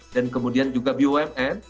dan kemudian juga bioan